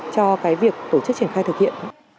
cho cái việc tổ chức triển khai thực hiện